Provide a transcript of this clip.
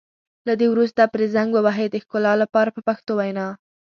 له دې وروسته پرې رنګ ووهئ د ښکلا لپاره په پښتو وینا.